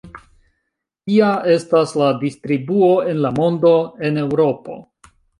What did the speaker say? Kia estas la distribuo en la mondo, en Eŭropo?